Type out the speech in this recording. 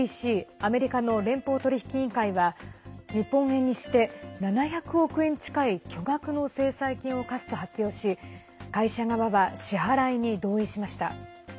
アメリカの連邦取引委員会は日本円にして７００億円近い巨額の制裁金を科すと発表し会社側は支払いに同意しました。